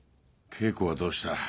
稽古はどうした？